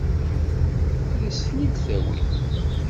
Ad as-ten-id-tawim?